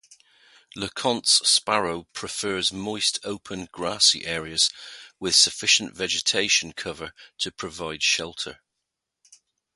LeConte's sparrow prefers moist open grassy areas with sufficient vegetation cover to provide shelter.